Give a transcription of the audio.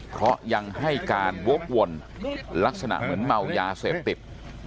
เพราะยังให้การวกวนลักษณะเหมือนเมายาเสพติด